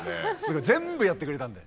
全部やってくれたんで。